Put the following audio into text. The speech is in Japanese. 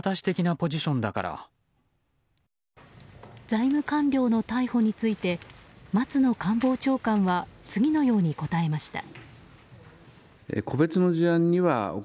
財務官僚の逮捕について松野官房長官は次のように答えました。